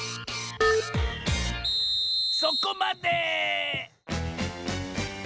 そこまで！